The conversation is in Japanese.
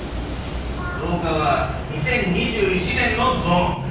廊下は２０２１年のゾーンだ。